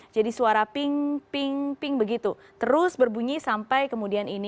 jadi suara ping ping begitu terus berbunyi sampai kemudian ini